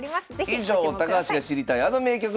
以上「高橋が知りたいあの名局」でした。